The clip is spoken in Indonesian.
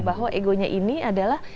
bahwa egonya ini adalah